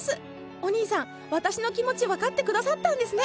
おにいさん私の気持ち分かって下さったんですね。